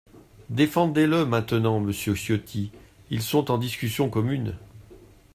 Défendez-le maintenant, monsieur Ciotti, ils sont en discussion commune.